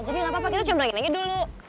jadi nggak apa apa kita coba lagi lagi dulu